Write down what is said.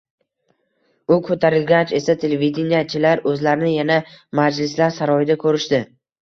U ko‘tarilgach esa, televideniyechilar o‘zlarini yana majlislar saroyida ko‘rishdi.